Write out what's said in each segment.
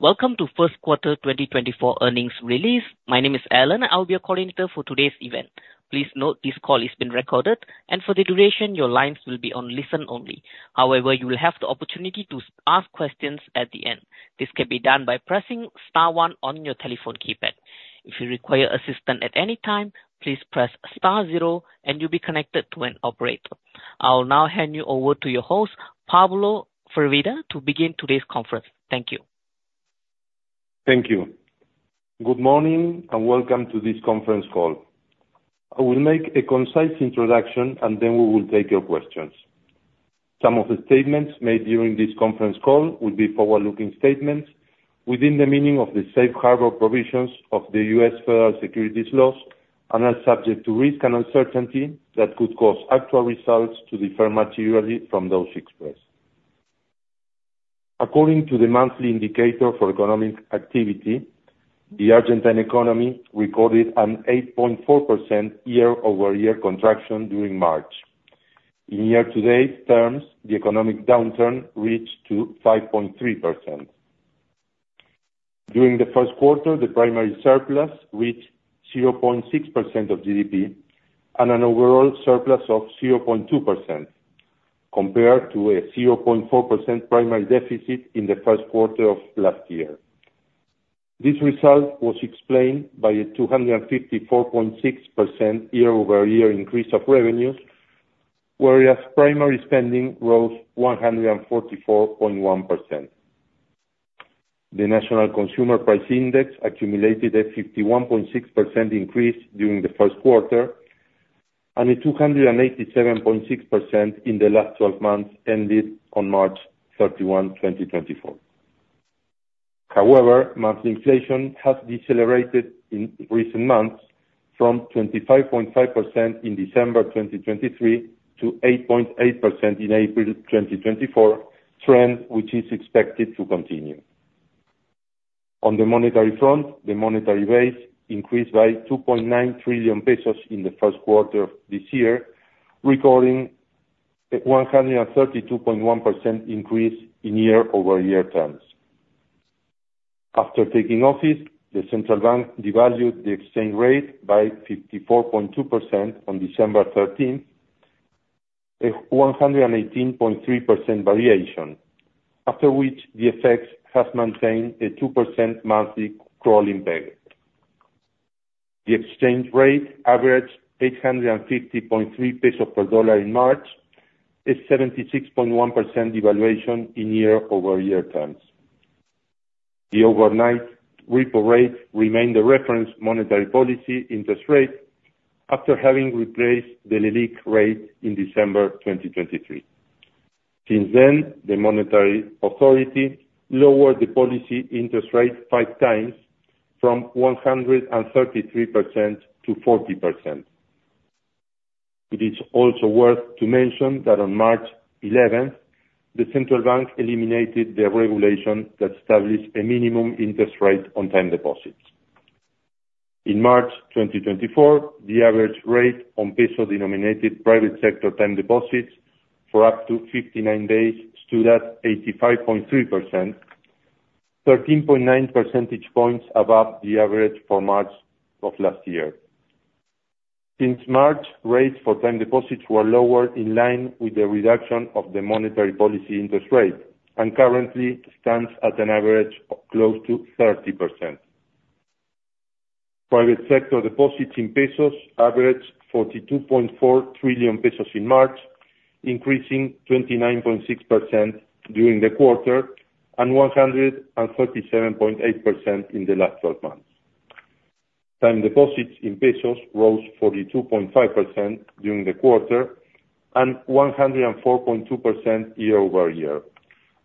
Welcome to first quarter 2024 earnings release. My name is Alan, I'll be your coordinator for today's event. Please note, this call is being recorded, and for the duration, your lines will be on listen only. However, you will have the opportunity to ask questions at the end. This can be done by pressing star one on your telephone keypad. If you require assistance at any time, please press star zero, and you'll be connected to an operator. I'll now hand you over to your host, Pablo Firvida, to begin today's conference. Thank you. Thank you. Good morning, and welcome to this conference call. I will make a concise introduction, and then we will take your questions. Some of the statements made during this conference call will be forward-looking statements within the meaning of the safe harbor provisions of the U.S. Federal Securities laws and are subject to risk and uncertainty that could cause actual results to differ materially from those expressed. According to the Monthly Indicator for Economic Activity, the Argentine economy recorded an 8.4% year-over-year contraction during March. In year-to-date terms, the economic downturn reached to 5.3%. During the first quarter, the primary surplus reached 0.6% of GDP and an overall surplus of 0.2%, compared to a 0.4% primary deficit in the first quarter of last year. This result was explained by a 254.6% year-over-year increase of revenues, whereas primary spending rose 144.1%. The National Consumer Price Index accumulated a 51.6% increase during the first quarter and a 287.6% in the last twelve months, ended on March 31, 2024. However, monthly inflation has decelerated in recent months from 25.5% in December 2023 to 8.8% in April 2024, trend which is expected to continue. On the monetary front, the monetary base increased by 2.9 trillion pesos in the first quarter of this year, recording a 132.1% increase in year-over-year terms. After taking office, the central bank devalued the exchange rate by 54.2% on December 13, a 118.3% variation, after which the effect has maintained a 2% monthly crawling peg. The exchange rate averaged 850.3 pesos per dollar in March, a 76.1% devaluation in year-over-year terms. The overnight repo rate remained the reference monetary policy interest rate after having replaced the Leliq rate in December 2023. Since then, the monetary authority lowered the policy interest rate five times from 133% - 40%. It is also worth to mention that on March 11, the central bank eliminated the regulation that established a minimum interest rate on time deposits. In March 2024, the average rate on peso-denominated private sector time deposits for up to 59 days stood at 85.3%, 13.9 percentage points above the average for March of last year. Since March, rates for time deposits were lower, in line with the reduction of the monetary policy interest rate, and currently stands at an average of close to 30%. Private sector deposits in pesos averaged 42.4 trillion pesos in March, increasing 29.6% during the quarter and 137.8% in the last 12 months. Time deposits in pesos rose 42.5% during the quarter and 104.2% year-over-year,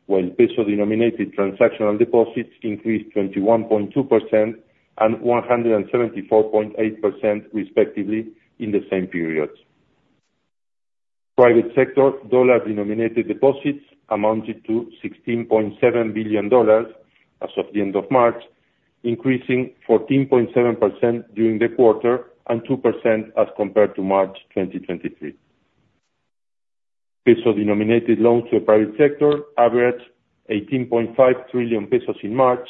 while peso-denominated transactional deposits increased 21.2% and 174.8% respectively in the same periods. Private sector dollar-denominated deposits amounted to $16.7 billion as of the end of March, increasing 14.7% during the quarter and 2% as compared to March 2023. Peso-denominated loans to the private sector averaged 18.5 trillion pesos in March,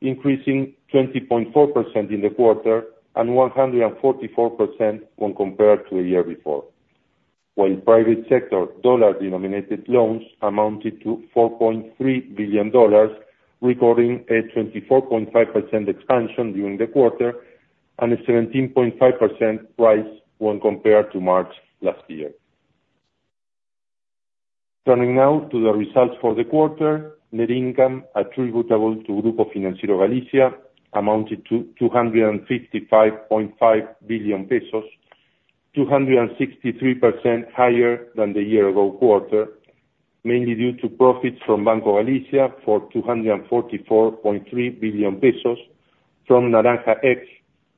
increasing 20.4% in the quarter and 144% when compared to a year before. While private sector dollar-denominated loans amounted to $4.3 billion, recording a 24.5% expansion during the quarter and a 17.5% rise when compared to March last year. Turning now to the results for the quarter, net income attributable to Grupo Financiero Galicia amounted to 255.5 billion pesos, 263% higher than the year-ago quarter, mainly due to profits from Banco Galicia for 244.3 billion pesos, from Naranja X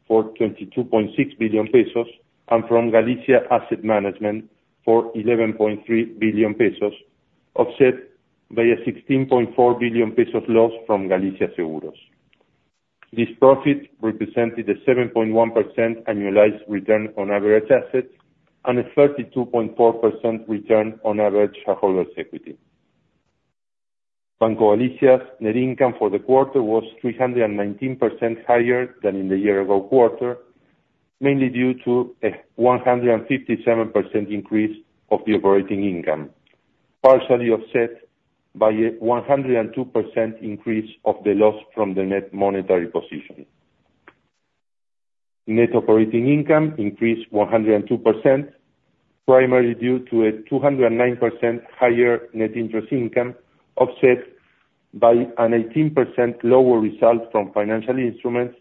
for 22.6 billion pesos, and from Galicia Asset Management for 11.3 billion pesos, offset by a 16.4 billion pesos loss from Galicia Seguros. This profit represented a 7.1% annualized return on average assets, and a 32.4% return on average shareholder's equity. Banco Galicia's net income for the quarter was 319% higher than in the year-ago quarter, mainly due to a 157% increase of the operating income, partially offset by a 102% increase of the loss from the net monetary position. Net operating income increased 102%, primarily due to a 209% higher net interest income, offset by an 18% lower result from financial instruments,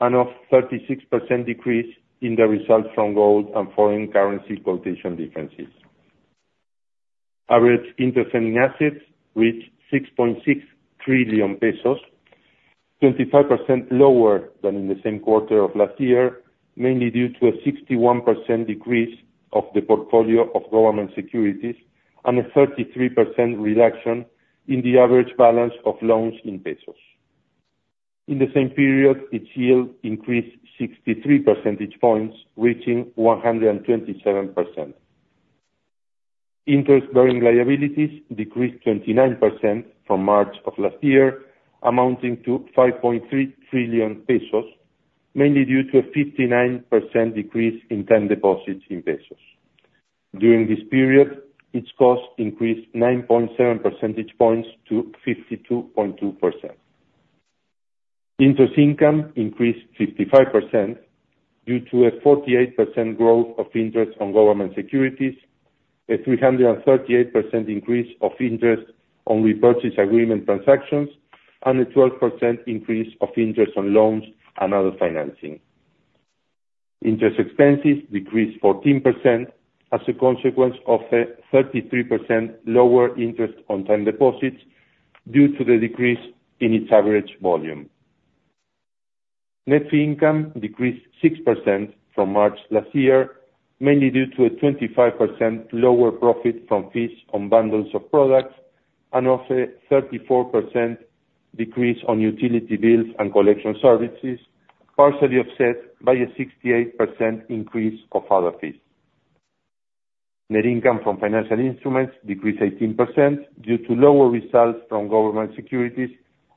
and a 36% decrease in the results from gold and foreign currency quotation differences. Average interest earning assets reached 6.6 trillion pesos, 25% lower than in the same quarter of last year, mainly due to a 61% decrease of the portfolio of government securities, and a 33% reduction in the average balance of loans in pesos. In the same period, its yield increased 63 percentage points, reaching 127%. Interest-bearing liabilities decreased 29% from March of last year, amounting to 5.3 trillion pesos, mainly due to a 59% decrease in term deposits in pesos. During this period, its cost increased 9.7 percentage points to 52.2%. Interest income increased 55% due to a 48% growth of interest on government securities, a 338% increase of interest on repurchase agreement transactions, and a 12% increase of interest on loans and other financing. Interest expenses decreased 14% as a consequence of a 33% lower interest on term deposits, due to the decrease in its average volume. Net fee income decreased 6% from March last year, mainly due to a 25% lower profit from fees on bundles of products, and a 34% decrease on utility bills and collection services, partially offset by a 68% increase of other fees. Net income from financial instruments decreased 18% due to lower results from government securities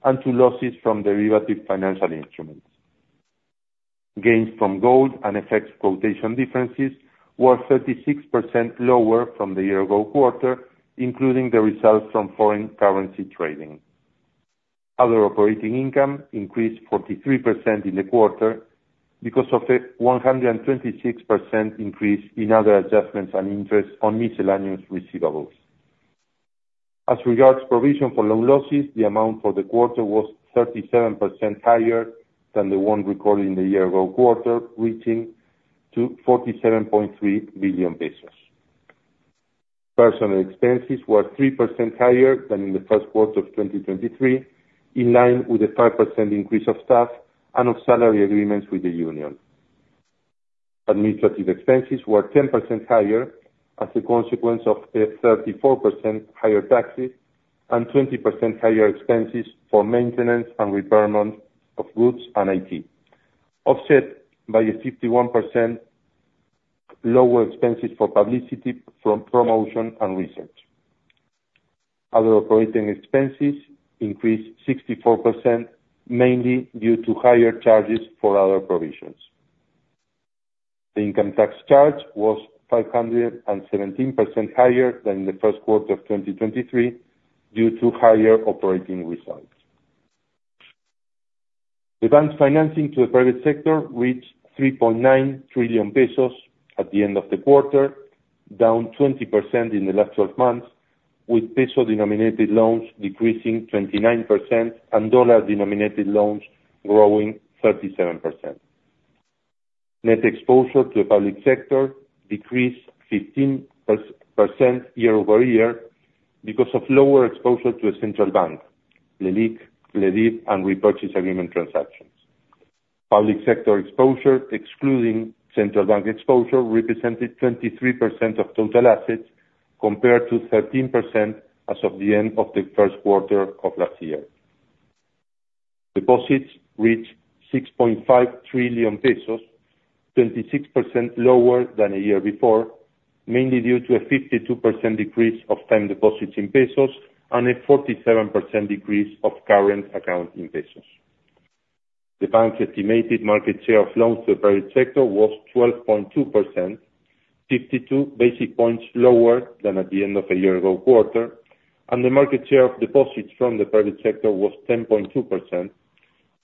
and to losses from derivative financial instruments. Gains from gold and FX quotation differences were 36% lower from the year ago quarter, including the results from foreign currency trading. Other operating income increased 43% in the quarter because of a 126% increase in other adjustments and interest on miscellaneous receivables. As regards provision for loan losses, the amount for the quarter was 37% higher than the one recorded in the year ago quarter, reaching ARS 47.3 billion. Personnel expenses were 3% higher than in the first quarter of 2023, in line with a 5% increase of staff and of salary agreements with the union. Administrative expenses were 10% higher as a consequence of a 34% higher taxes, and 20% higher expenses for maintenance and repair of goods and IT, offset by a 51% lower expenses for publicity from promotion and research. Other operating expenses increased 64%, mainly due to higher charges for other provisions. The income tax charge was 517% higher than in the first quarter of 2023, due to higher operating results. The bank's financing to the private sector reached 3.9 trillion pesos at the end of the quarter, down 20% in the last twelve months, with peso-denominated loans decreasing 29% and dollar-denominated loans growing 37%. Net exposure to the public sector decreased 15% year-over-year because of lower exposure to the central bank, Leliq, and repurchase agreement transactions. Public sector exposure, excluding central bank exposure, represented 23% of total assets, compared to 13% as of the end of the first quarter of last year. Deposits reached 6.5 trillion pesos, 26% lower than a year before, mainly due to a 52% decrease of time deposits in pesos, and a 47% decrease of current account in pesos. The bank's estimated market share of loans to the private sector was 12.2%, 52 basis points lower than at the end of the year-ago quarter, and the market share of deposits from the private sector was 10.2%,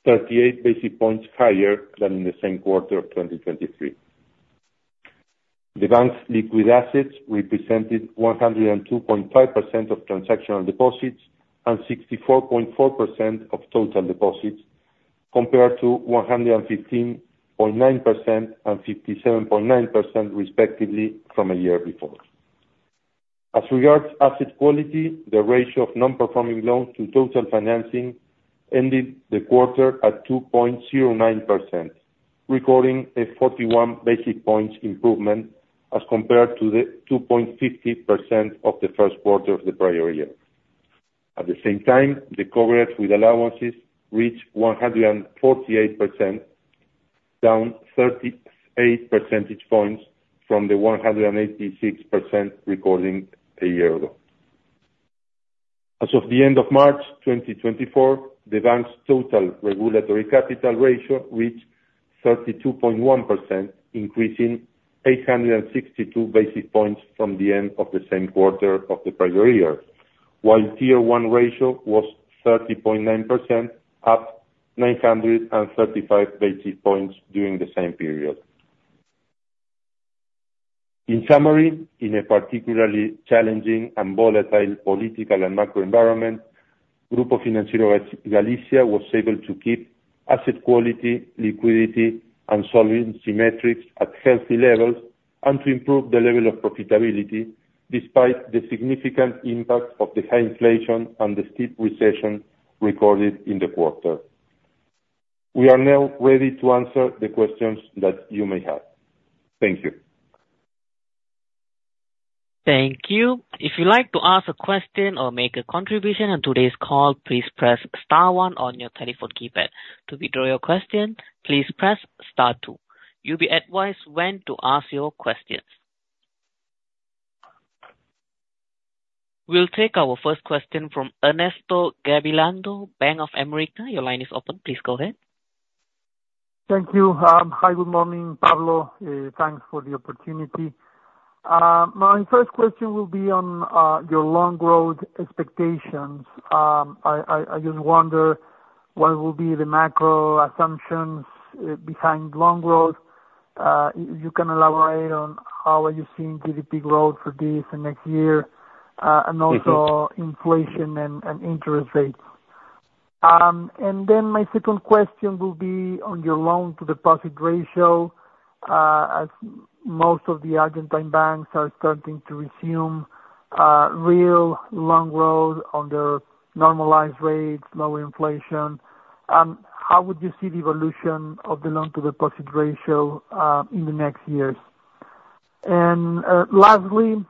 38 basis points higher than in the same quarter of 2023. The bank's liquid assets represented 102.5% of transactional deposits, and 64.4% of total deposits, compared to 115.9% and 57.9% respectively from a year before. As regards asset quality, the ratio of non-performing loans to total financing ended the quarter at 2.09%, recording a 41 basis points improvement, as compared to the 2.50% of the first quarter of the prior year. At the same time, the coverage with allowances reached 148%, down 38 percentage points from the 186% recording a year ago. As of the end of March 2024, the bank's total regulatory capital ratio reached 32.1%, increasing 862 basis points from the end of the same quarter of the prior year, while Tier One ratio was 30.9%, up 935 basis points during the same period. In summary, in a particularly challenging and volatile political and macro environment, Grupo Financiero Galicia was able to keep asset quality, liquidity, and solvency metrics at healthy levels, and to improve the level of profitability, despite the significant impact of the high inflation and the steep recession recorded in the quarter. We are now ready to answer the questions that you may have. Thank you. Thank you. If you'd like to ask a question or make a contribution on today's call, please press star one on your telephone keypad. To withdraw your question, please press star two. You'll be advised when to ask your questions. We'll take our first question from Ernesto Gabilondo, Bank of America. Your line is open, please go ahead. Thank you. Hi, good morning, Pablo, thanks for the opportunity. My first question will be on your long growth expectations. I just wonder what will be the macro assumptions behind long growth. If you can elaborate on how are you seeing GDP growth for this and next year. Mm-hmm. and also inflation and interest rates. And then my second question will be on your loan to deposit ratio. As most of the Argentine banks are starting to resume real loan growth under normalized rates, lower inflation, how would you see the evolution of the loan to deposit ratio in the next years? And lastly, I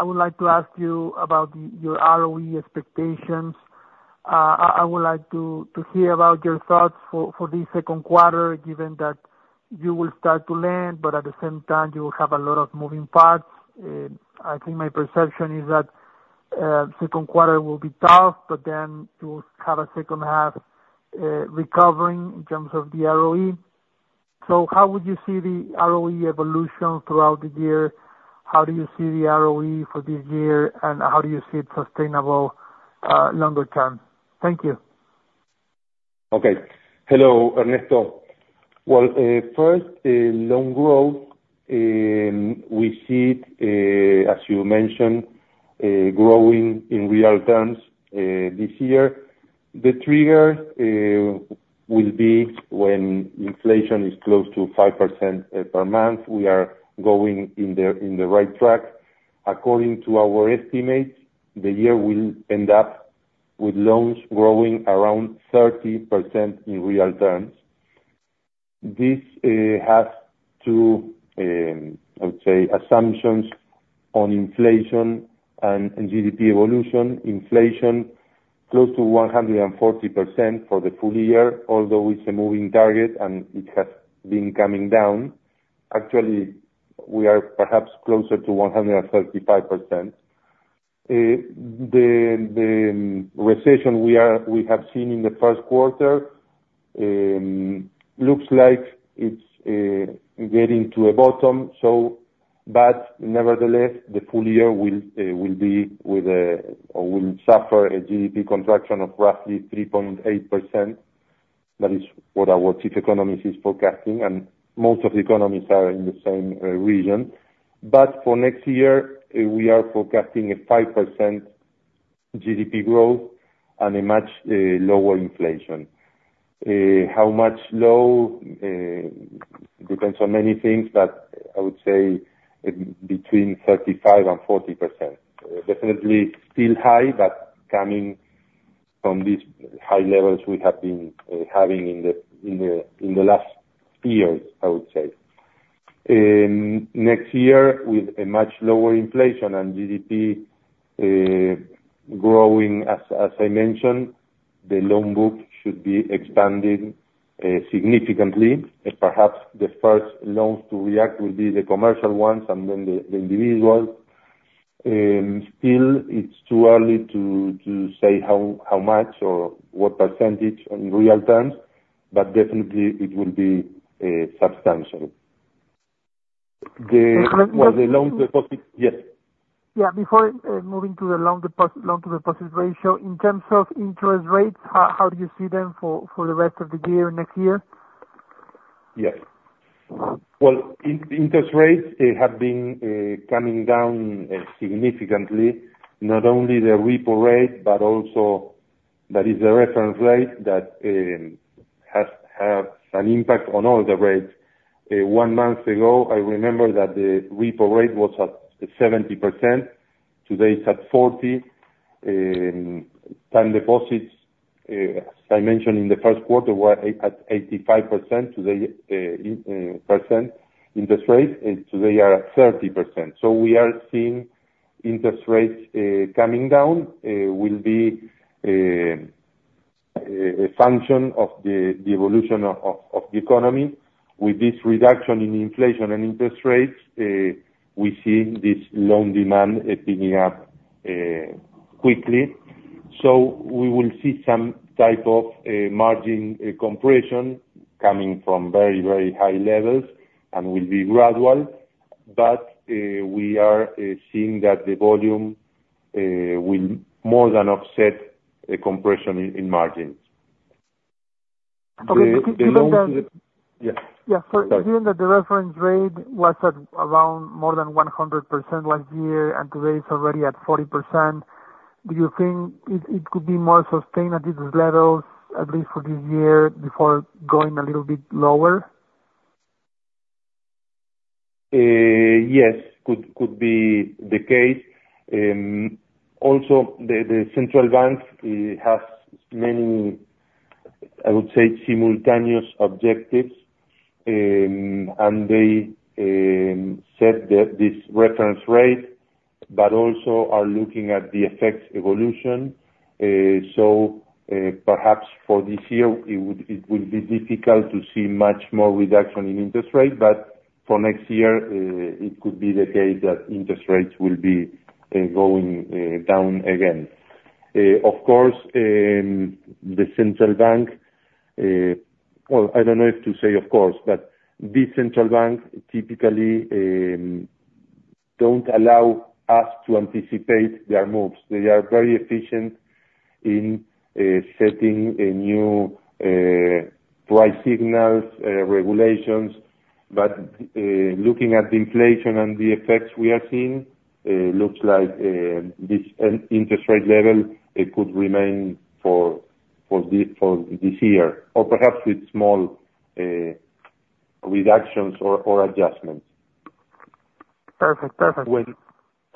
would like to ask you about your ROE expectations. I would like to hear about your thoughts for this second quarter, given that you will start to lend, but at the same time you will have a lot of moving parts. I think my perception is that second quarter will be tough, but then you will have a second half recovering in terms of the ROE. So how would you see the ROE evolution throughout the year? How do you see the ROE for this year, and how do you see it sustainable, longer term? Thank you. Okay. Hello, Ernesto. Well, first, loan growth, we see it, as you mentioned, growing in real terms, this year. The trigger, will be when inflation is close to 5%, per month. We are going in the, in the right track. According to our estimates, the year will end up with loans growing around 30% in real terms. This, has two, I would say, assumptions on inflation and, and GDP evolution. Inflation, close to 140% for the full year, although it's a moving target and it has been coming down. Actually, we are perhaps closer to 135%. The recession we have seen in the first quarter looks like it's getting to a bottom, so but nevertheless, the full year will be with, or will suffer a GDP contraction of roughly 3.8%. That is what our chief economist is forecasting, and most of the economists are in the same region. But for next year, we are forecasting a 5% GDP growth and a much lower inflation. How much low depends on many things, but I would say between 35% and 40%. Definitely still high, but coming from these high levels we have been having in the last few years, I would say. Next year, with a much lower inflation and GDP growing as I mentioned, the loan book should be expanding significantly. Perhaps the first loans to react will be the commercial ones and then the individuals. Still, it's too early to say how much or what percentage in real terms, but definitely it will be substantial. For the loan deposit. Yes. Yeah, before moving to the loan to deposit ratio, in terms of interest rates, how do you see them for the rest of the year, next year? Yes. Well, interest rates, they have been coming down significantly, not only the Repo rate, but also that is the reference rate that has an impact on all the rates. One month ago, I remember that the Repo rate was at 70%. Today it's at 40%. Time deposits, as I mentioned in the first quarter, were at 85%, and today are at 30%. So we are seeing interest rates coming down, will be a function of the evolution of the economy. With this reduction in inflation and interest rates, we see this loan demand picking up quickly. So we will see some type of margin compression coming from very, very high levels and will be gradual, but we are seeing that the volume will more than offset the compression in margins. The Okay. Given that- Yes. Yeah. Given that the reference rate was at around more than 100% last year, and today it's already at 40%, do you think it could be more sustained at this level, at least for this year, before going a little bit lower? Yes, could be the case. Also, the central bank has many, I would say, simultaneous objectives, and they set this reference rate, but also are looking at the effects evolution. So, perhaps for this year, it will be difficult to see much more reduction in interest rate, but for next year, it could be the case that interest rates will be going down again. Of course, the central bank... Well, I don't know if to say of course, but these central banks typically don't allow us to anticipate their moves. They are very efficient in setting a new price signals, regulations, but looking at the inflation and the effects we are seeing, looks like this interest rate level, it could remain for this year, or perhaps with small reductions or adjustments. Perfect. Perfect.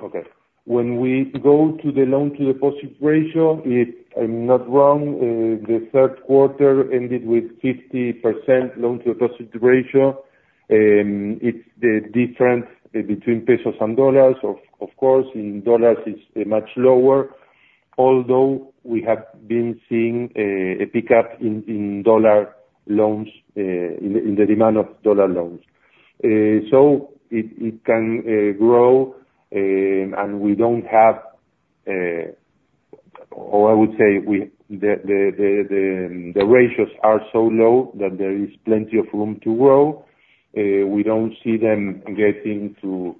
Okay. When we go to the loan to deposit ratio, if I'm not wrong, the third quarter ended with 50% loan to deposit ratio. It's the difference between pesos and dollars, of course, in dollars it's much lower, although we have been seeing a pickup in dollar loans in the demand of dollar loans. So it can grow, and we don't have, or I would say we, the ratios are so low that there is plenty of room to grow. We don't see them getting to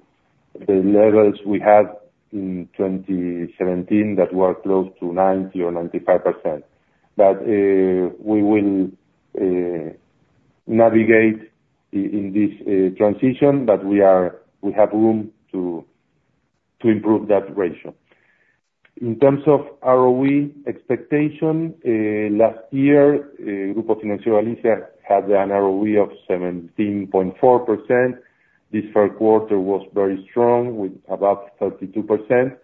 the levels we had in 2017, that were close to 90% or 95%. But we will navigate in this transition, but we have room to improve that ratio. In terms of ROE expectation, last year, Grupo Financiero Galicia had an ROE of 17.4%. This third quarter was very strong, with about 32%.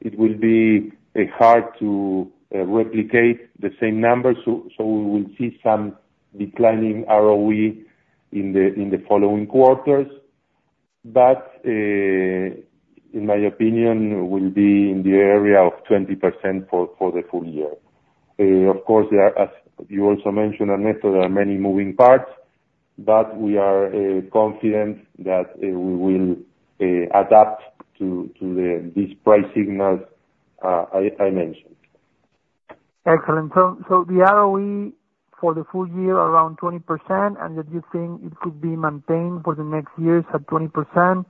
It will be hard to replicate the same numbers, so, so we will see some declining ROE in the following quarters, but in my opinion, we'll be in the area of 20% for the full year. Of course, there are, as you also mentioned, Ernesto, there are many moving parts, but we are confident that we will adapt to these price signals I mentioned. Excellent. So, so the ROE for the full year around 20%, and that you think it could be maintained for the next years at 20%?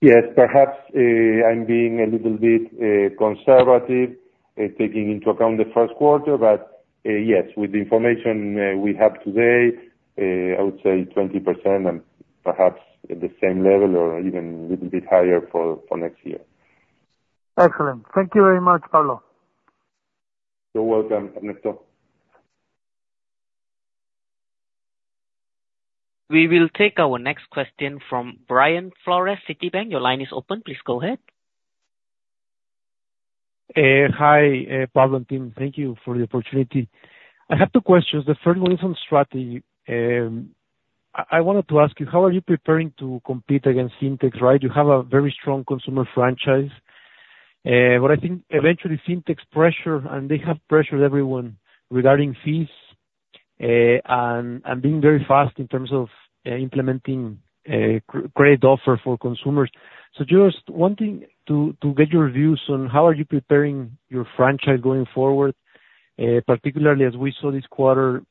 Yes. Perhaps, I'm being a little bit conservative, taking into account the first quarter, but yes, with the information we have today, I would say 20%, and perhaps at the same level or even a little bit higher for next year. Excellent. Thank you very much, Pablo. You're welcome, Ernesto. We will take our next question from Brian Flores, Citibank. Your line is open. Please go ahead. Hi, Pablo and team. Thank you for the opportunity. I have two questions. The first one is on strategy. I wanted to ask you, how are you preparing to compete against Syntex, right? You have a very strong consumer franchise, but I think eventually Syntex pressure, and they have pressured everyone regarding fees, and being very fast in terms of implementing a great offer for consumers. So just wanting to get your views on how are you preparing your franchise going forward, particularly as we saw this quarter,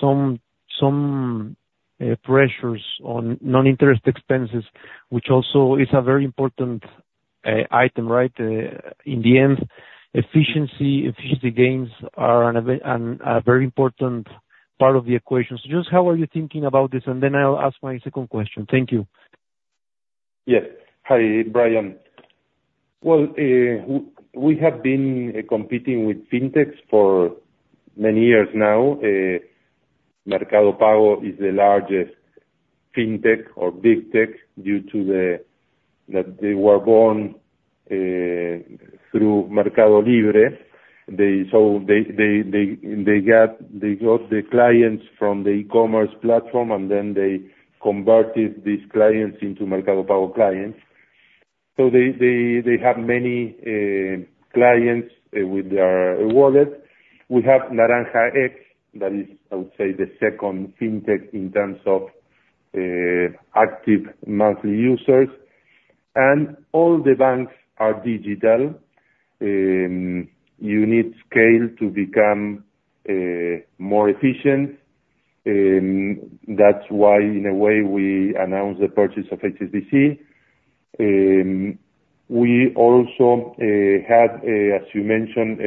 some pressures on non-interest expenses, which also is a very important item, right? In the end, efficiency gains are an and a very important part of the equation. So just how are you thinking about this? And then I'll ask my second question. Thank you. Yes. Hi, Brian. Well, we have been competing with fintechs for many years now. Mercado Pago is the largest fintech or bigtech, due to the fact that they were born through Mercado Libre. They, so they got the clients from the e-commerce platform, and then they converted these clients into Mercado Pago clients. So they have many clients with their wallet. We have Naranja X, that is, I would say, the second fintech in terms of active monthly users, and all the banks are digital. You need scale to become more efficient, that's why, in a way, we announced the purchase of HSBC. We also had, as you mentioned,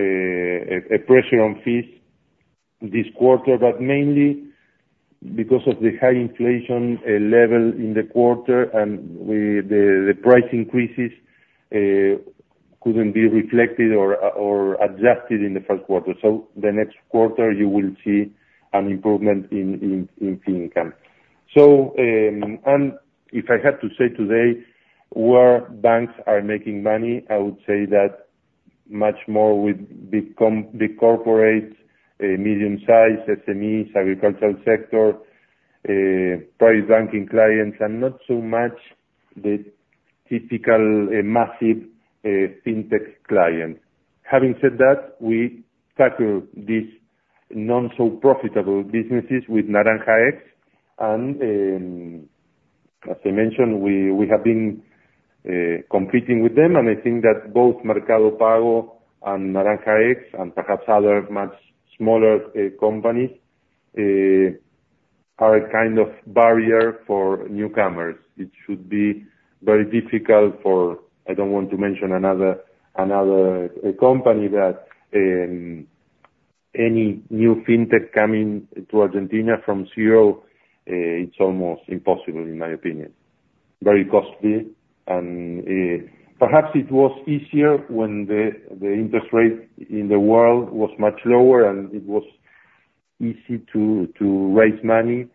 a pressure on fees this quarter, but mainly because of the high inflation level in the quarter, and the price increases couldn't be reflected or adjusted in the first quarter. So the next quarter, you will see an improvement in fee income. So, and if I had to say today, where banks are making money, I would say that much more with big corporates, medium size SMEs, agricultural sector, private banking clients, and not so much the typical massive fintech client. Having said that, we tackle these not-so-profitable businesses with Naranja X, and, as I mentioned, we have been competing with them, and I think that both Mercado Pago and Naranja X, and perhaps other much smaller companies, are a kind of barrier for newcomers. It should be very difficult for, I don't want to mention another company that, any new fintech coming to Argentina from zero, it's almost impossible, in my opinion. Very costly, and, perhaps it was easier when the interest rate in the world was much lower, and it was easy to raise money.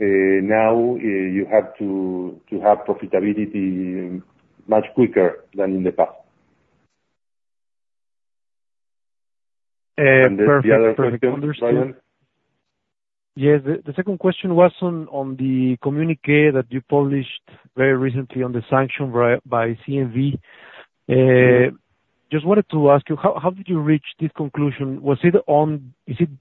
Now, you have to have profitability much quicker than in the past. Uh, perfect. And the other question, Brian? Understood. Yes, the second question was on the communique that you published very recently on the sanction by CNV. Just wanted to ask you, how did you reach this conclusion? Was it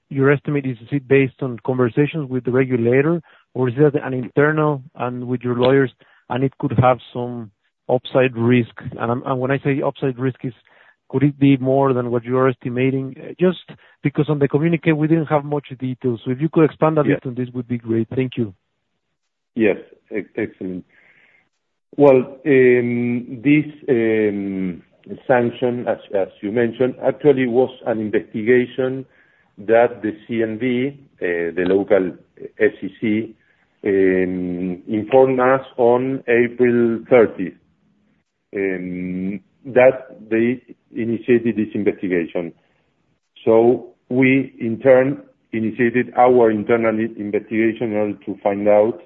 your estimate? Is it based on conversations with the regulator, or is that an internal one with your lawyers, and it could have some upside risk? And when I say upside risk, could it be more than what you're estimating? Just because on the communique, we didn't have much details, so if you could expand on this, it would be great. Thank you. Yes. Excellent. Well, this sanction, as you mentioned, actually was an investigation that the CNV, the local SEC, informed us on April 30th, that they initiated this investigation. So we, in turn, initiated our internal investigation in order to find out,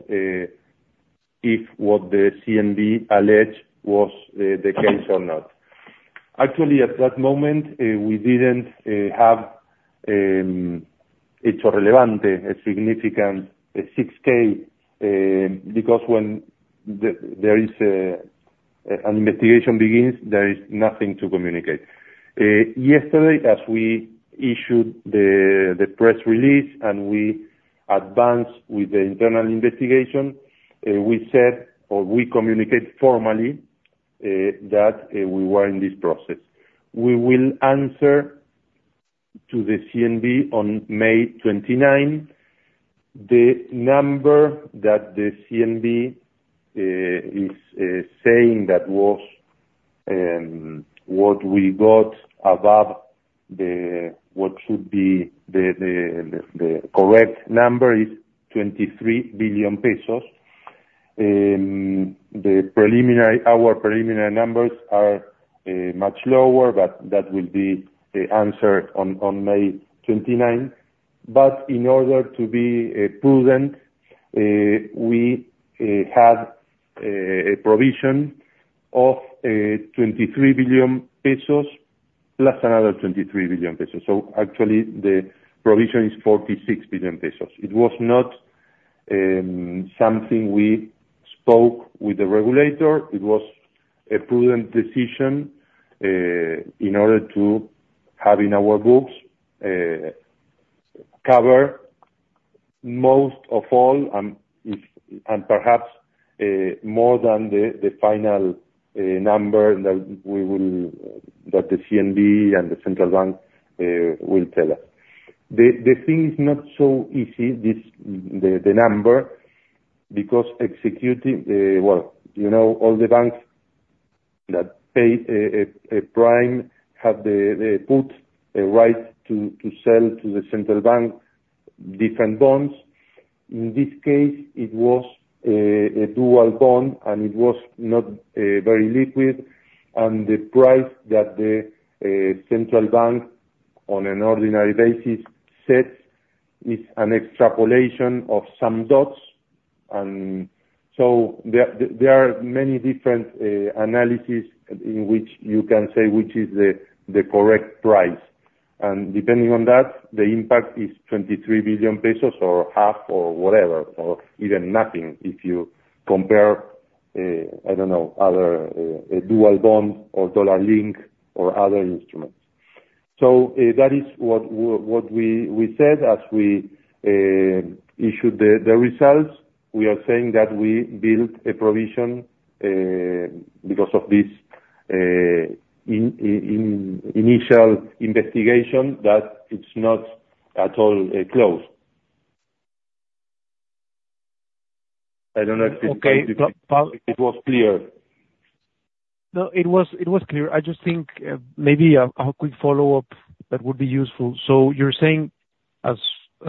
if what the CNV alleged was, the case or not. Actually, at that moment, we didn't have, a hecho relevante, a significant, a 6-K, because when there is an investigation begins, there is nothing to communicate. Yesterday, as we issued the press release, and we advanced with the internal investigation, we said, or we communicated formally, that we were in this process. We will answer to the CNV on May 29. The number that the CNV is saying that was what we got above the, what should be the correct number, is 23 billion pesos. Our preliminary numbers are much lower, but that will be answered on May 29. But in order to be prudent, we have a provision of 23 billion pesos, plus another 23 billion pesos, so actually the provision is 46 billion pesos. It was not something we spoke with the regulator, it was a prudent decision in order to have in our books cover most of all, and perhaps more than the final number that the CNV and the central bank will tell us. The thing is not so easy, this the number, because executing, well, you know, all the banks that pay a prime have the right to sell to the central bank different bonds. In this case, it was a dual bond, and it was not very liquid, and the price that the central bank, on an ordinary basis, sets is an extrapolation of some dots, and so there are many different analyses in which you can say which is the correct price, and depending on that, the impact is 23 billion pesos or half or whatever, or even nothing if you compare, I don't know, other dual bonds or dollar link or other instruments. So, that is what we said as we issued the results. We are saying that we built a provision because of this initial investigation, that it's not at all closed. I don't know if it was clear. No, it was, it was clear. I just think maybe a quick follow-up that would be useful. So you're saying, as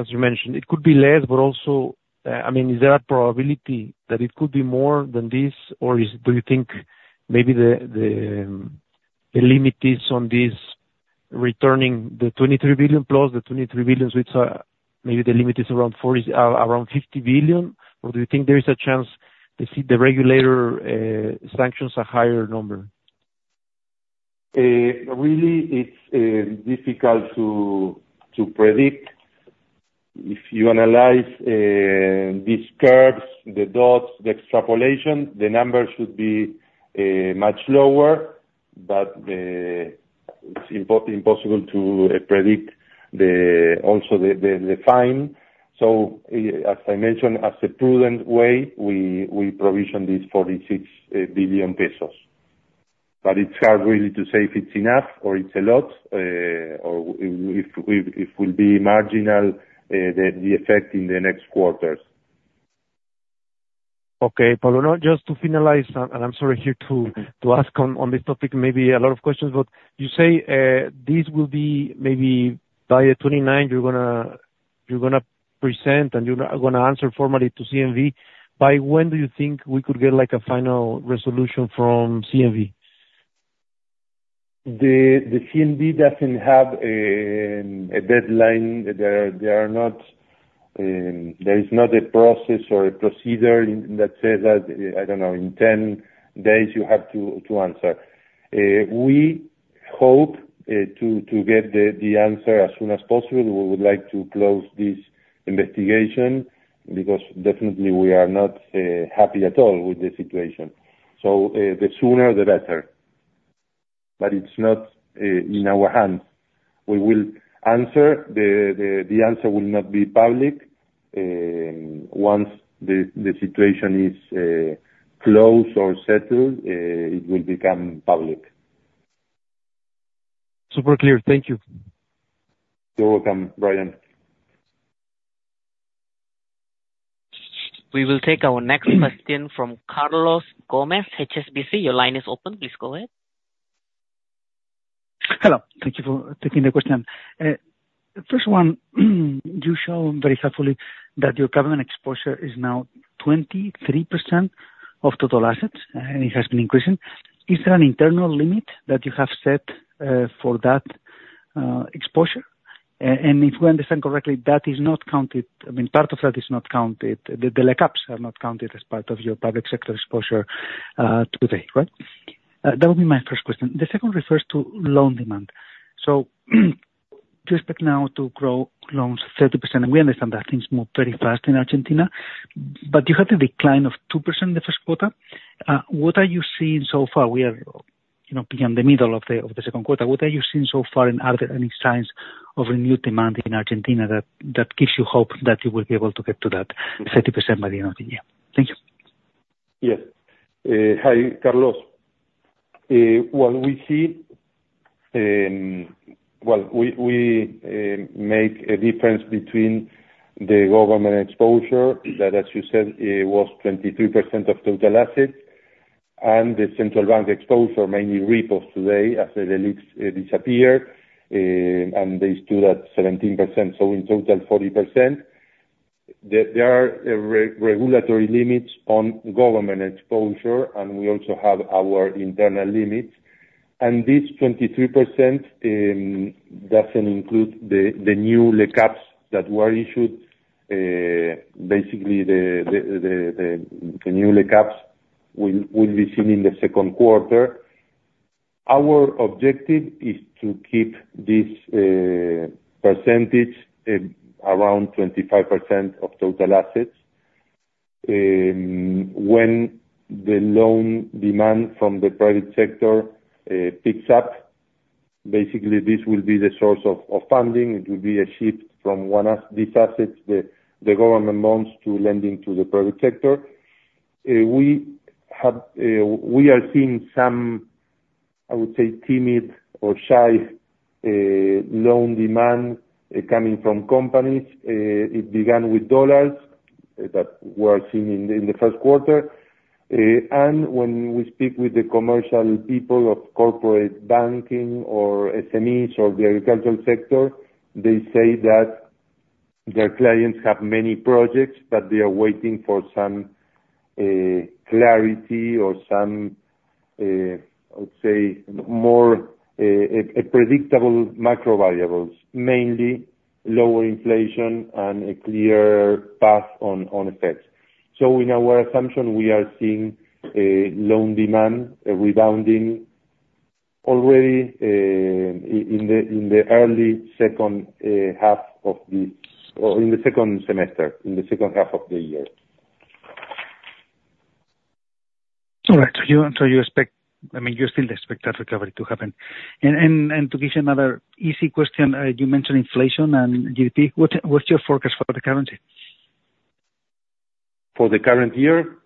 you mentioned, it could be less, but also, I mean, is there a probability that it could be more than this? Or is, do you think maybe the limit is on this returning the 23 billion plus the 23 billion, which are, maybe the limit is around 40, around 50 billion? Or do you think there is a chance to see the regulator sanctions a higher number? Really, it's difficult to predict. If you analyze these curves, the dots, the extrapolation, the numbers should be much lower, but it's impossible to predict, also the fine. So, as I mentioned, as a prudent way, we provision this 46 billion pesos. But it's hard really to say if it's enough or it's a lot, or if will be marginal, the effect in the next quarters. Okay, Pablo, just to finalize, and I'm sorry to ask on this topic, maybe a lot of questions, but you say this will be maybe by the twenty-ninth, you're gonna present and you're gonna answer formally to CNV. By when do you think we could get, like, a final resolution from CNV? The CNV doesn't have a deadline. There is not a process or a procedure that says that, I don't know, in 10 days you have to answer. We hope to get the answer as soon as possible. We would like to close this investigation, because definitely we are not happy at all with the situation. So, the sooner, the better. But it's not in our hands. We will answer, the answer will not be public. Once the situation is closed or settled, it will become public. Super clear. Thank you. You're welcome, Brian. We will take our next question from Carlos Gomez, HSBC. Your line is open. Please go ahead. Hello. Thank you for taking the question. The first one, you show very carefully that your government exposure is now 23% of total assets, and it has been increasing. Is there an internal limit that you have set for that exposure? And if we understand correctly, that is not counted, I mean, part of that is not counted. The Lecaps are not counted as part of your public sector exposure today, right? That would be my first question. The second refers to loan demand. So you expect now to grow loans 30%, and we understand that things move very fast in Argentina, but you had a decline of 2% in the first quarter. What are you seeing so far? We are, you know, beyond the middle of the second quarter. What are you seeing so far and are there any signs of renewed demand in Argentina that gives you hope that you will be able to get to that 30% by the end of the year? Thank you. Yes. Hi, Carlos. What we see, well, we make a difference between the government exposure, that, as you said, was 23% of total assets, and the central bank exposure, mainly repos today, as the Leliqs disappear, and they stood at 17%, so in total, 40%. There are regulatory limits on government exposure, and we also have our internal limits. And this 23% doesn't include the new Lecaps that were issued. Basically, the new Lecaps will be seen in the second quarter. Our objective is to keep this percentage around 25% of total assets. When the loan demand from the private sector picks up, basically this will be the source of funding. It will be a shift from one these assets, the government loans, to lending to the private sector. We have, we are seeing some, I would say, timid or shy, loan demand, coming from companies. It began with dollars that were seen in the first quarter.... And when we speak with the commercial people of corporate banking or SMEs or the agricultural sector, they say that their clients have many projects, but they are waiting for some clarity or some, I would say, more a predictable macro variables, mainly lower inflation and a clearer path on effects. So in our assumption, we are seeing a loan demand, a rebounding already, in the early second half of the, or in the second semester, in the second half of the year. All right. So you expect—I mean, you still expect that recovery to happen? And to give you another easy question, you mentioned inflation and GDP. What's your forecast for the current year? For the current year?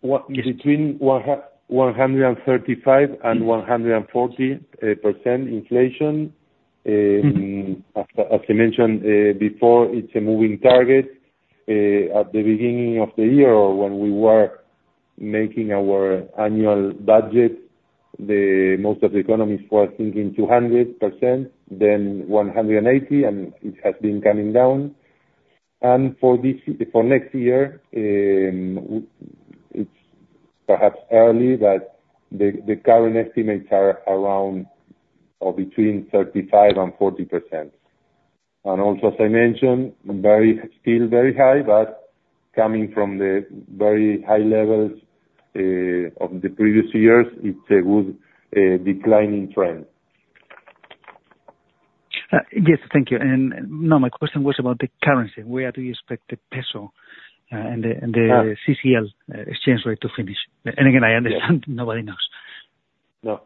What between 135%-140% inflation. Mm-hmm. As, as I mentioned, before, it's a moving target. At the beginning of the year, when we were making our annual budget, the most of the economists were thinking 200%, then 180, and it has been coming down. And for this, for next year, it's perhaps early, but the, the current estimates are around or between 35% and 40%. And also, as I mentioned, very, still very high, but coming from the very high levels, of the previous years, it's a good, declining trend. Yes, thank you. And, no, my question was about the currency. Where do you expect the peso, and the- Ah. - and the CCL, exchange rate to finish? And again, I understand- Yes. Nobody knows. No.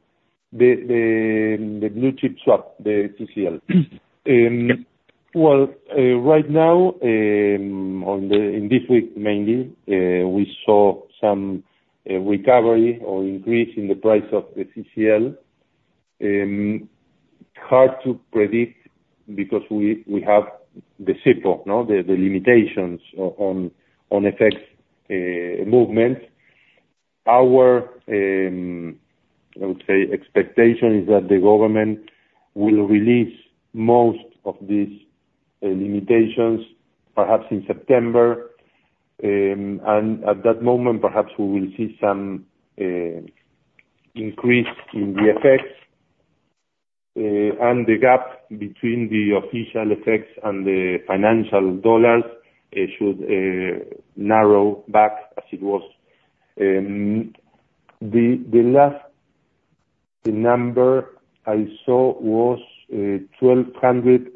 The blue chip swap, the CCL. Well, right now, in this week mainly, we saw some recovery or increase in the price of the CCL. Hard to predict because we have the simple, no? The limitations on effects movement. Our, I would say, expectation is that the government will release most of these limitations, perhaps in September. And at that moment, perhaps we will see some increase in the effects, and the gap between the official effects and the financial dollars, it should narrow back as it was. The last number I saw was 1,200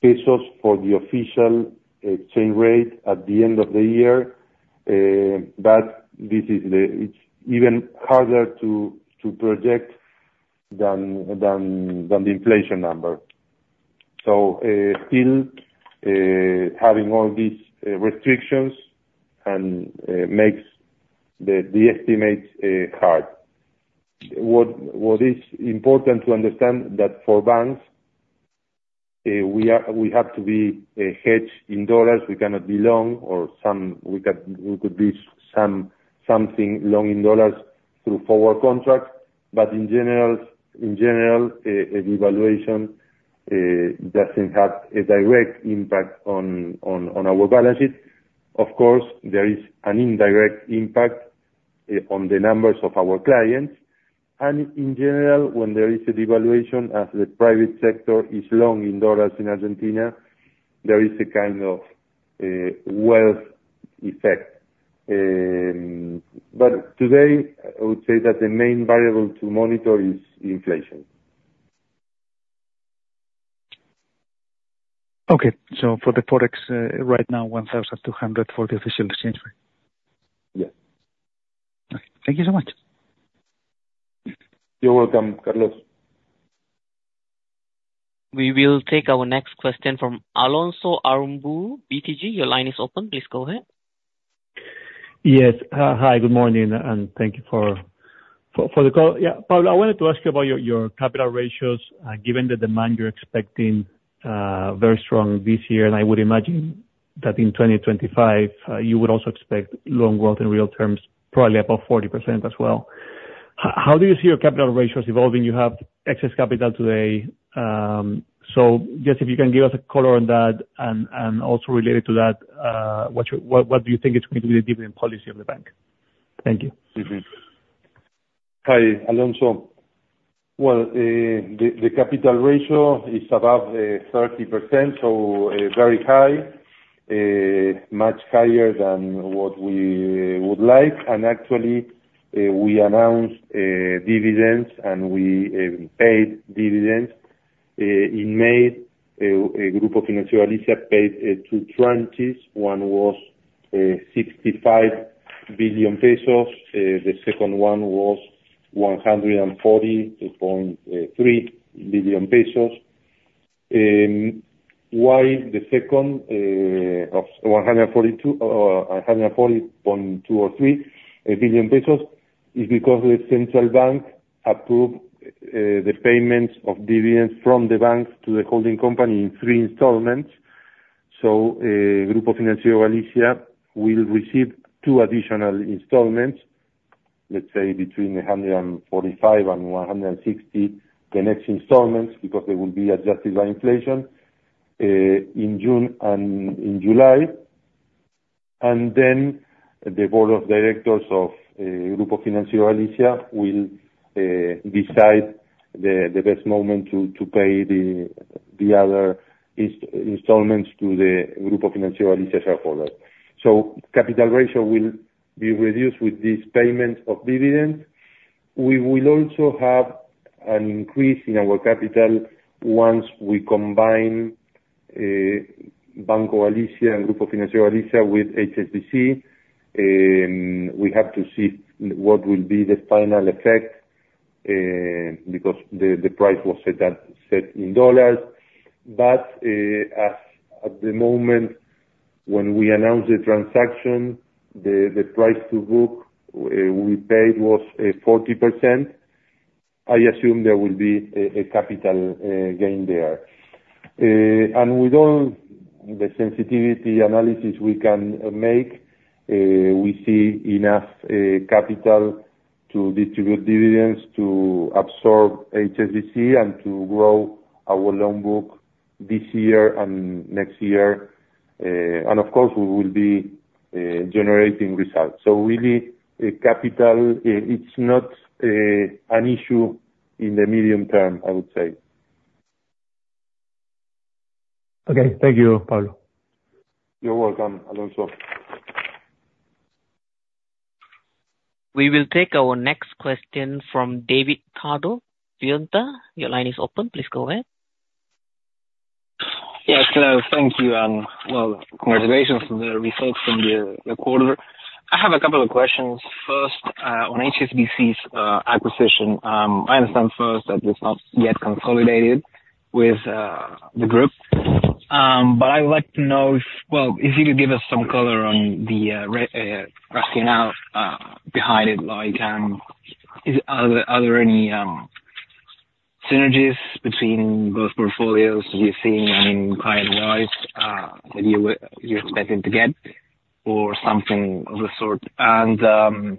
pesos for the official exchange rate at the end of the year, but this is—it's even harder to project than the inflation number. So, still having all these restrictions and makes the estimates hard. What is important to understand is that for banks, we are, we have to be hedged in dollars. We cannot be long or some we can, we could be something long in dollars through forward contracts, but in general, a devaluation doesn't have a direct impact on our balances. Of course, there is an indirect impact on the numbers of our clients, and in general, when there is a devaluation, as the private sector is long in dollars in Argentina, there is a kind of wealth effect. But today, I would say that the main variable to monitor is inflation. Okay. So for the Forex, right now, 1,200 for the official exchange rate? Yes. Okay. Thank you so much. You're welcome, Carlos. We will take our next question from Alonso Aramburu, BTG. Your line is open. Please go ahead. Yes. Hi, good morning, and thank you for, for, for the call. Yeah, Pablo, I wanted to ask you about your, your capital ratios, given the demand you're expecting, very strong this year, and I would imagine that in 2025, you would also expect loan growth in real terms, probably above 40% as well. How do you see your capital ratios evolving? You have excess capital today. So just if you can give us a color on that, and, and also related to that, what you... What, what do you think is going to be the dividend policy of the bank? Thank you. Hi, Alonso. Well, the capital ratio is above 30%, so very high, much higher than what we would like. And actually, we announced dividends, and we paid dividends in May. Grupo Financiero Galicia paid two tranches. One was 65 billion pesos, the second one was 140.3 billion pesos. Why the second of 142, or 140.2 or 140.3 billion pesos, is because the central bank approved the payments of dividends from the banks to the holding company in three installments. So, Grupo Financiero Galicia will receive two additional installments, let's say between $145 and $160, the next installments, because they will be adjusted by inflation, in June and in July, and then the board of directors of Grupo Financiero Galicia will decide the best moment to pay the other installments to the Grupo Financiero Galicia shareholders. Capital ratio will be reduced with this payment of dividends. We will also have an increase in our capital once we combine Banco Galicia and Grupo Financiero Galicia with HSBC. We have to see what will be the final effect, because the price was set at, set in dollars. But, as at the moment, when we announce the transaction, the price to book we paid was 40%. I assume there will be a capital gain there. And with all the sensitivity analysis we can make, we see enough capital to distribute dividends, to absorb HSBC, and to grow our loan book this year and next year. And of course, we will be generating results. So really, capital it's not an issue in the medium term, I would say. Okay, thank you, Pablo. You're welcome, Alonso. We will take our next question from David Cardo. Vianta, your line is open. Please go ahead. Yes, hello. Thank you, and well, congratulations on the results from the quarter. I have a couple of questions. First, on HSBC's acquisition. I understand first that it's not yet consolidated with the group. But I would like to know if... well, if you could give us some color on the rationale behind it, like, are there any synergies between both portfolios you're seeing, I mean, client-wise, that you're expecting to get or something of the sort? And,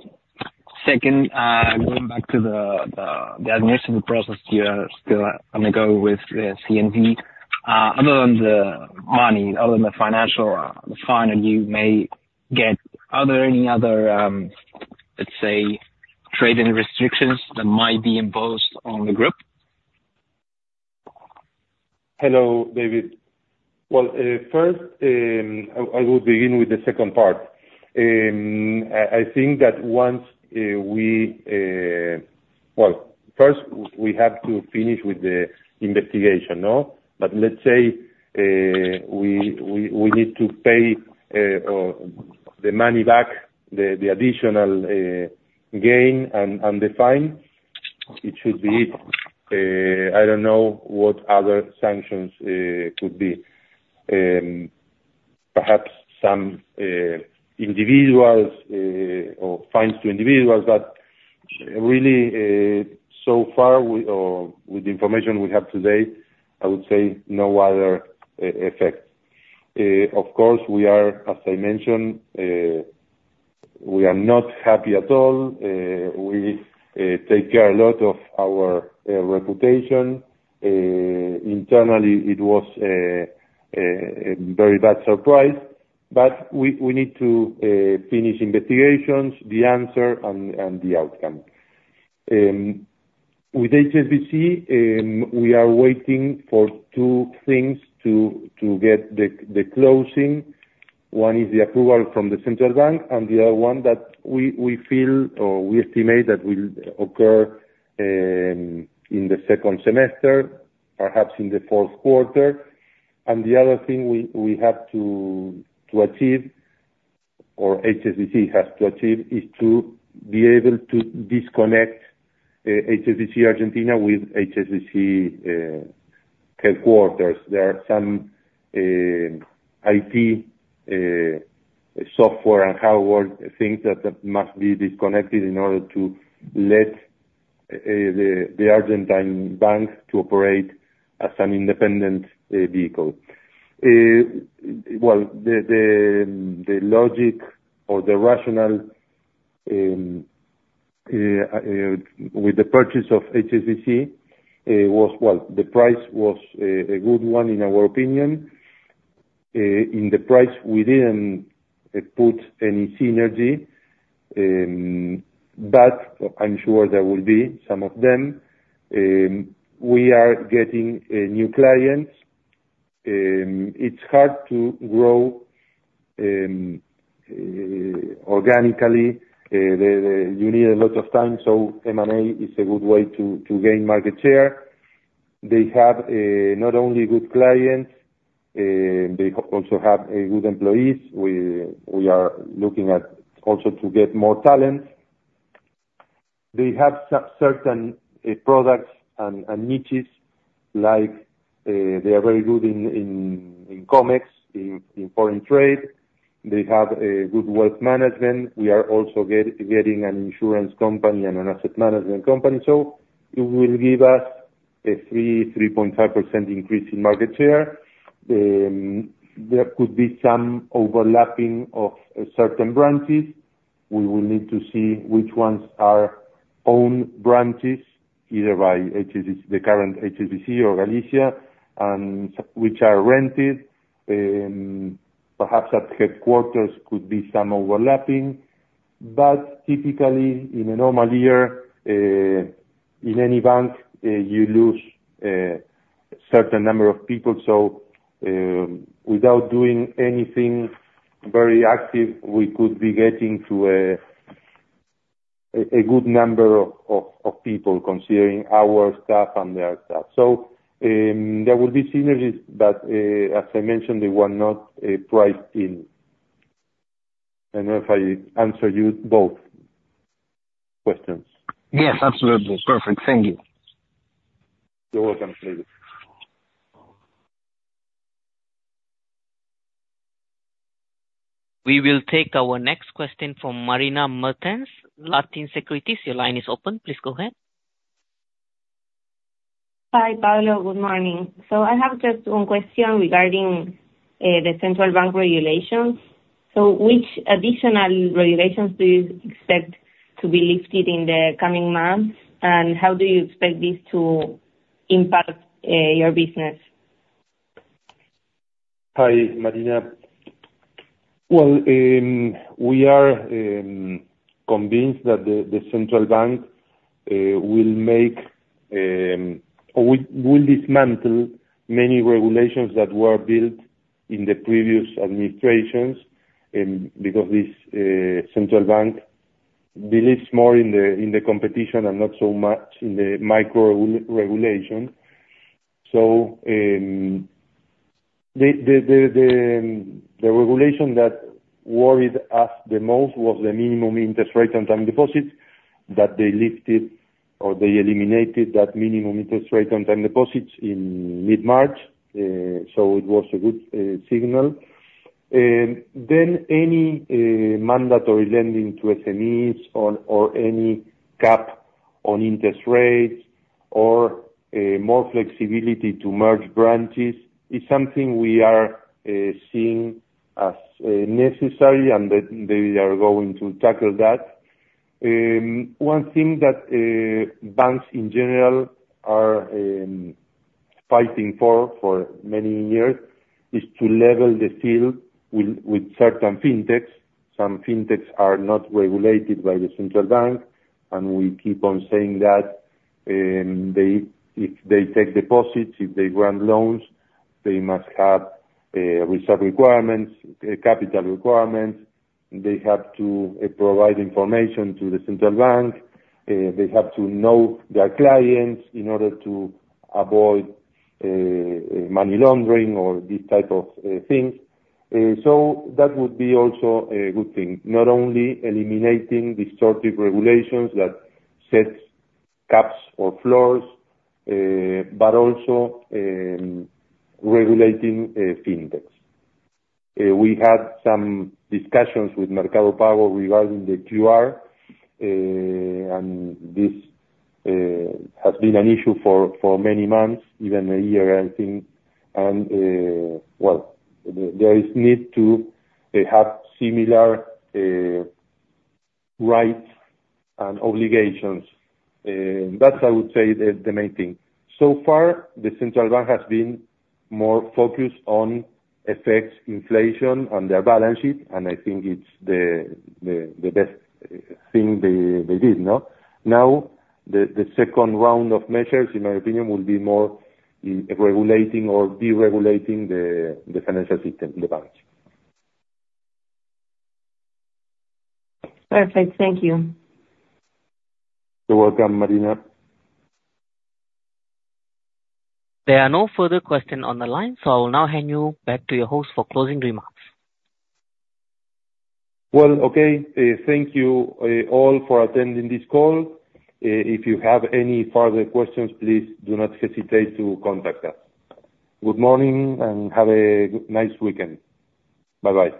second, going back to the administrative process, you are still on the go with CNV. Other than the money, other than the financial fine and you may get, are there any other, let's say, trading restrictions that might be imposed on the group? Hello, David. Well, first, I will begin with the second part. I think that once, Well, first we have to finish with the investigation, no? But let's say, we need to pay the money back, the additional gain and the fine, it should be, I don't know what other sanctions could be. Perhaps some individuals or fines to individuals, but really, so far, or with the information we have today, I would say no other effect. Of course, we are, as I mentioned, we are not happy at all. We take care a lot of our reputation. Internally, it was a very bad surprise, but we need to finish investigations, the answer, and the outcome. With HSBC, we are waiting for two things to get the closing. One is the approval from the central bank, and the other one that we feel or we estimate that will occur in the second semester, perhaps in the fourth quarter. And the other thing we have to achieve, or HSBC has to achieve, is to be able to disconnect HSBC Argentina with HSBC headquarters. There are some IT software and hardware things that must be disconnected in order to let the Argentine bank to operate as an independent vehicle. Well, the logic or the rationale with the purchase of HSBC was, well, the price was a good one in our opinion. In the price, we didn't put any synergy, but I'm sure there will be some of them. We are getting new clients. It's hard to grow organically. You need a lot of time, so M&A is a good way to gain market share. They have not only good clients, they also have good employees. We are looking at also to get more talent. They have certain products and niches like they are very good in commerce, in foreign trade. They have a good wealth management. We are also getting an insurance company and an asset management company, so it will give us a 3.5% increase in market share. There could be some overlapping of certain branches. We will need to see which ones are owned branches, either by HSBC, the current HSBC or Galicia, and which are rented. Perhaps at headquarters could be some overlapping, but typically in a normal year, in any bank, you lose certain number of people. Without doing anything very active, we could be getting to a good number of people, considering our staff and their staff. There will be synergies, but, as I mentioned, they were not priced in. I don't know if I answer you both questions. Yes, absolutely. Perfect. Thank you. You're welcome, David. We will take our next question from Marina Mertens, Latin Securities. Your line is open, please go ahead. Hi, Pablo. Good morning. I have just one question regarding the central bank regulations. Which additional regulations do you expect to be lifted in the coming months, and how do you expect this to impact your business? Hi, Marina. Well, we are convinced that the central bank will make or will dismantle many regulations that were built in the previous administrations, because this central bank believes more in the competition and not so much in the micro regulation. So, the regulation that worried us the most was the minimum interest rate on time deposits that they lifted or they eliminated that minimum interest rate on time deposits in mid-March. So it was a good signal. Then any mandatory lending to SMEs or any cap on interest rates or more flexibility to merge branches is something we are seeing as necessary, and they are going to tackle that. One thing that banks in general are fighting for for many years is to level the field with certain fintechs. Some fintechs are not regulated by the central bank, and we keep on saying that if they take deposits, if they grant loans, they must have reserve requirements, capital requirements. They have to provide information to the central bank, they have to know their clients in order to avoid money laundering or these type of things. So that would be also a good thing. Not only eliminating distortive regulations that sets caps or floors, but also regulating fintechs. We had some discussions with Mercado Pago regarding the QR, and this has been an issue for many months, even a year, I think. And, well, there is need to have similar rights and obligations, that's I would say the main thing. So far, the central bank has been more focused on effects, inflation on their balance sheet, and I think it's the best thing they did, no? Now, the second round of measures, in my opinion, will be more regulating or deregulating the financial system, the banks. Perfect. Thank you. You're welcome, Marina. There are no further questions on the line, so I will now hand you back to your host for closing remarks. Well, okay. Thank you all for attending this call. If you have any further questions, please do not hesitate to contact us. Good morning, and have a nice weekend. Bye-bye.